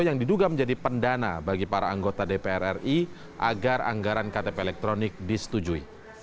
yang diduga menjadi pendana bagi para anggota dpr ri agar anggaran ktp elektronik disetujui